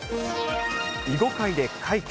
囲碁界で快挙。